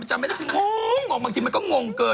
โอเคจำได้คุณจำได้แล้วยังไงอ่ะ